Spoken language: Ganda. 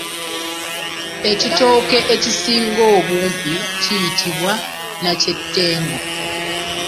Ekitooke ekisinga obumpi kiyitibwa nakyetengu.